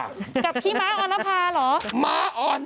กับขี้ม้าออนภาเหรอ